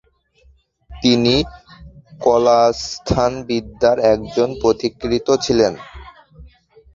তিনি কলাস্থানবিদ্যার একজন পথিকৃৎ ছিলেন।